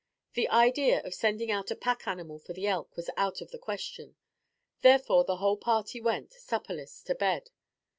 The idea of sending out a pack animal for the elk was out of the question; therefore, the whole party went, supperless, to bed.